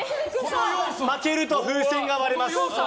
負けると風船が割れます。